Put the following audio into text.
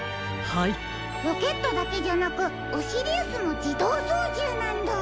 ロケットだけじゃなくオシリウスもじどうそうじゅうなんだ。